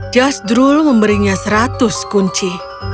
jasdrul memberinya seratus kunci